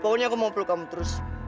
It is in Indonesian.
pokoknya aku mau peluk kamu terus